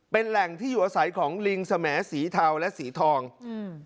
เป็นแหล่งที่อยู่อาศัยของลิงสมสีเทาและสีทองอืม